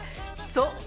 そう。